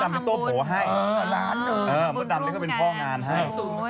สาทวชอบไป